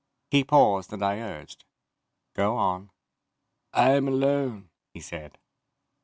He paused and I urged, "Go on." "I am alone," he said.